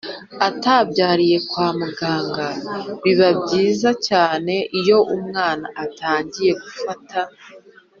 atabyariye kwa muganga Biba byiza cyane iyo umwana atangiye gufata